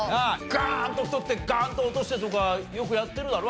ガーンと太ってガーンと落としてとかよくやってるだろ？